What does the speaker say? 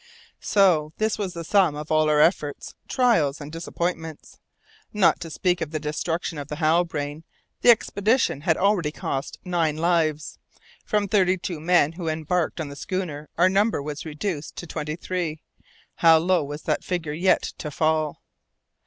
So this was the sum of all our efforts, trials and disappointments! Not to speak of the destruction of the Halbrane, the expedition had already cost nine lives. From thirty two men who had embarked on the schooner, our number was reduced to twenty three: how low was that figure yet to fall?